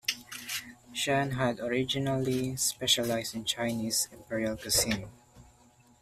Chen had originally specialized in Chinese imperial cuisine.